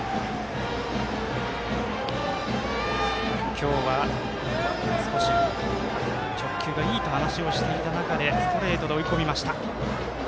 今日は少し直球がいいという話をしていた中でストレートで追い込みました。